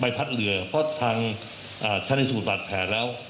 ใบพัดเหลือเพราะทางอ่าท่านท่านศูนย์บาดแผลแล้ว